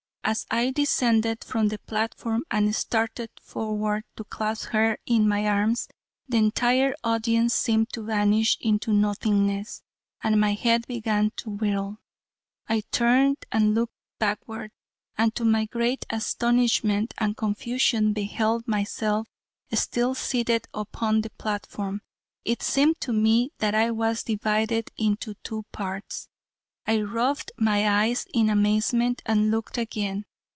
As I descended from the platform and started forward to clasp her in my arms the entire audience seemed to vanish into nothingness, and my head began to whirl. I turned and looked backward, and to my great astonishment and confusion beheld myself still seated upon the platform. It seemed to me that I was divided into two parts. I rubbed my eyes in amazement and looked again.